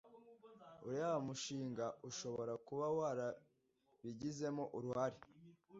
uriya mushinga ushobora kuba warabigizemo uruhare